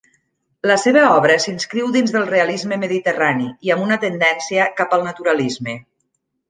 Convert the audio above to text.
La seva obra s'inscriu dins del realisme mediterrani i amb una tendència cap al naturalisme.